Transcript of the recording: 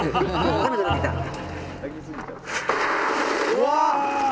うわ！